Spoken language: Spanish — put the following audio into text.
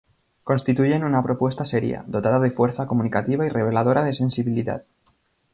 Constituyen una propuesta seria, dotada de fuerza comunicativa y reveladora de sensibilidad.